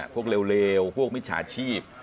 พวกเลวพวกมิจฉาชีพ